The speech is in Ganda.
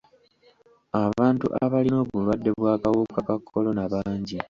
Abantu abalina obulwadde bw'akawuka ka kolona bangi.